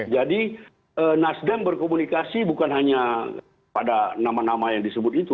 jadi nasdem berkomunikasi bukan hanya pada nama nama yang disebut itu